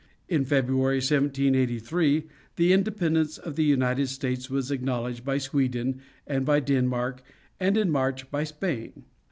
In February, 1783, the independence of the United States was acknowledged by Sweden and by Denmark, and in March by Spain.